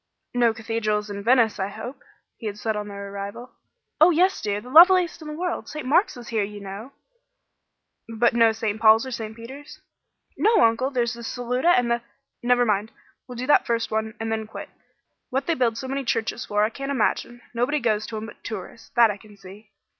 "No cathedrals in Venice, I hope?" he had said on their arrival. "Oh, yes, dear; the loveliest one in the world! St. Mark's is here, you know." "But no St. Paul's or St. Peter's?" "No, Uncle. There's the Saluta, and the " "Never mind. We'll do that first one, and then quit. What they build so many churches for I can't imagine. Nobody goes to 'em but tourists, that I can see."